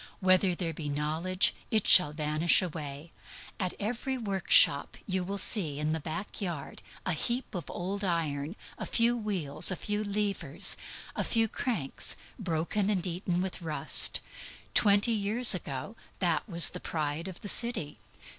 "Whether there be knowledge, it shall vanish away." At every workshop you will see, in the back yard, a heap of old iron, a few wheels, a few levers, a few cranks, broken and eaten with rust. Twenty years ago that was the pride of the city.